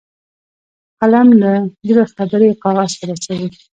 قلم له زړه خبرې کاغذ ته رسوي